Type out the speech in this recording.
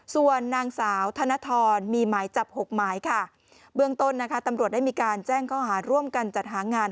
ส่วนนางสาวธนทรมีหมายจับหกหมายค่ะเบื้องต้นนะคะตำรวจได้มีการแจ้งข้อหาร่วมกันจัดหางาน